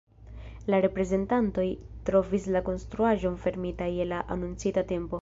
La reprezentantoj trovis la konstruaĵon fermita je la anoncita tempo.